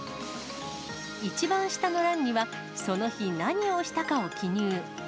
一番下の欄には、その日、何をしたかを記入。